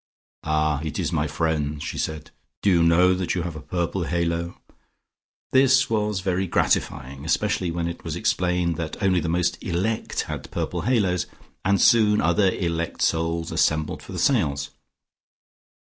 "Ah, it is my friend," she said. "Do you know that you have a purple halo?" This was very gratifying, especially when it was explained that only the most elect had purple halos, and soon other elect souls assembled for the seance.